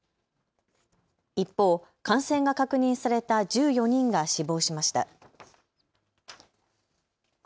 一方、感染が確認された１４人が死亡しました。